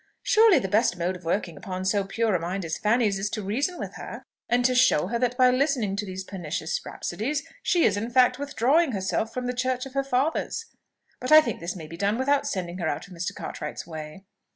Surely the best mode of working upon so pure a mind as Fanny's is to reason with her, and to show her that by listening to those pernicious rhapsodies she is in fact withdrawing herself from the church of her fathers; but I think this may be done without sending her out of Mr. Cartwright's way."